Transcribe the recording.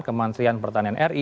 kementerian pertanian ri